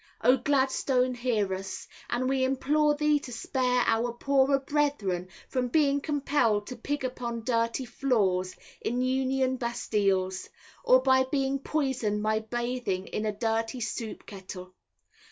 O Gladstone, hear us. And we implore thee to spare our poorer brethren from being compelled to pig upon dirty floors in Union Bastiles, or by being poisoned by bathing in a dirty soup kettle.